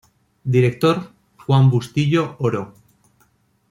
Director: Juan Bustillo Oro.